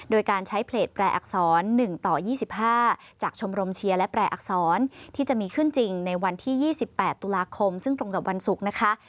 โดยการใช้เพจแปลอักษร๑ต่อ๒๕จากชมรมเชียร์และแปลอักษรที่จะมีขึ้นจริงในวันที่๒๘ตุลาคมซึ่งตรงกับวันศุกร์นะคะ